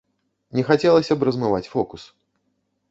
Не хацелася б размываць фокус.